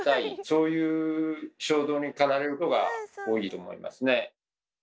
そういう衝動に駆られることが多いと思いますね。